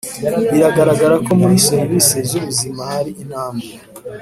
Biragaragara ko muri serivisi z’ ubuzima hari intambwe.